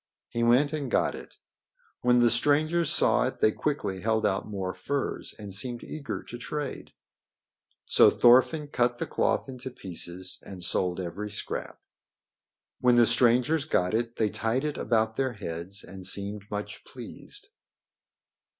He went and got it. When the strangers saw it they quickly held out more furs and seemed eager to trade. So Thorfinn cut the cloth into pieces and sold every scrap. When the strangers got it they tied it about their heads and seemed much pleased.